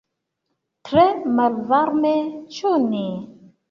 Tre malvarme, ĉu ne?